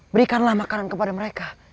berikanlah makanan kepada mereka